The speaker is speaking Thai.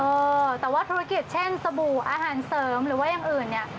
เออแต่ว่าธุรกิจเช่นสบู่อาหารเสริมหรือว่าอย่างอื่นเนี่ย